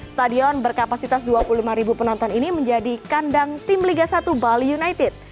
stadion berkapasitas dua puluh lima ribu penonton ini menjadi kandang tim liga satu bali united